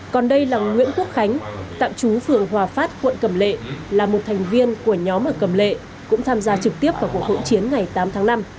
còn đây là nguyễn quốc khánh tạm trú phường hòa phát quận cầm lệ là một thành viên của nhóm ở cầm lệ cũng tham gia trực tiếp vào cuộc hỗn chiến ngày tám tháng năm